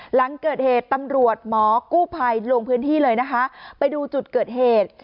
หลังเกิดเหตุตำรวจหมอกู้ภัยลงพื้นที่เลยนะคะไปดูจุดเกิดเหตุ